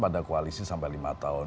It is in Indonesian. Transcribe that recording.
pada koalisi sampai lima tahun